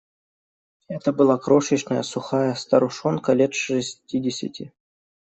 Это была крошечная, сухая старушонка, лет шестидесяти.